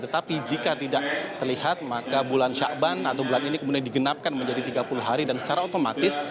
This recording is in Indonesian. tetapi jika tidak terlihat maka bulan syakban atau bulan ini kemudian digenapkan menjadi tiga puluh hari dan secara otomatis